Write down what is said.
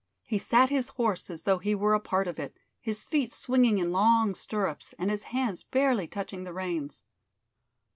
He sat his horse as though he were a part of it, his feet swinging in long stirrups and his hands barely touching the reins.